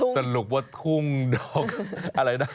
สรุปว่าทุ่งดอกอะไรนะ